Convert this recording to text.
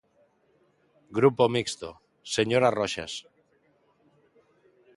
Grupo Mixto, señora Roxas.